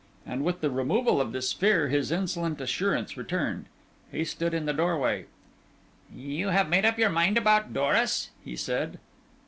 And with the removal of this fear his insolent assurance returned. He stood in the doorway. "You have made up your mind about Doris?" he said.